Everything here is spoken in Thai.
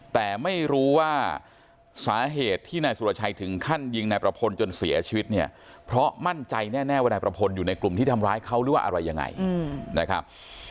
แต่ไม่รู้ว่าสาเหตุที่นายสุรชัยถึงขั้นยิงนายประพลจนเสียชีวิตเนี่ยเพราะมั่นใจแน่ว่านายประพลอยู่ในกลุ่มที่ทำร้ายเขาหรือว่าอะไรยังไงนะครับ